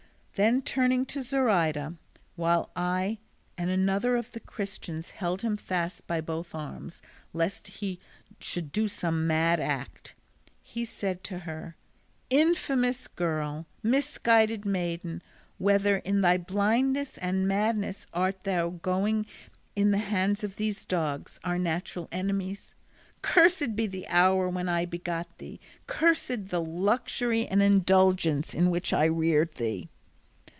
Then turning to Zoraida, while I and another of the Christians held him fast by both arms, lest he should do some mad act, he said to her, "Infamous girl, misguided maiden, whither in thy blindness and madness art thou going in the hands of these dogs, our natural enemies? Cursed be the hour when I begot thee! Cursed the luxury and indulgence in which I reared thee!"